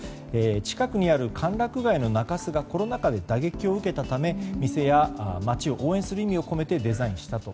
近くにある歓楽街の中洲がコロナ禍で打撃を受けたため店や街を応援する意味を込めてデザインしたと。